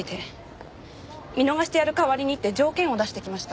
見逃してやる代わりにって条件を出してきました。